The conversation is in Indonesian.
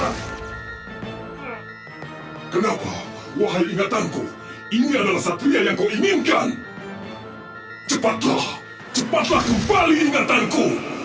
hai kenapa wahai ingatanku ini adalah satria yang kau inginkan cepatlah cepatlah kembali ingatanku